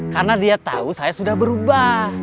karena dia tahu saya sudah berubah